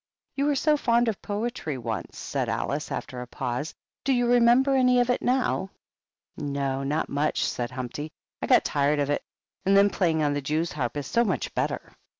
" You were so fond of poetry once," said Alice, after a pause ;" do you remember any of it now ?"" No, not much," said Humpty. " I got tired of it; and then playing on the jewsharp is so much better."